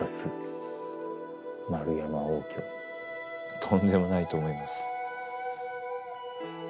とんでもないと思います。